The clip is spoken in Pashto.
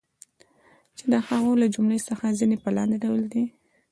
چی د هغو له جملی څخه د ځینی په لاندی ډول دی